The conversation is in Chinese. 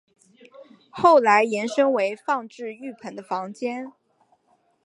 后来延伸为放置浴盆的房间。